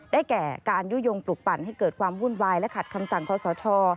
แก่การยุโยงปลุกปั่นให้เกิดความวุ่นวายและขัดคำสั่งขอสช